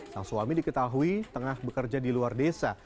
sang suami diketahui tengah bekerja di luar desa